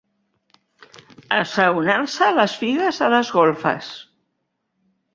Assaonar-se les figues a les golfes.